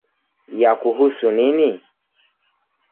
Yakuhusu nini?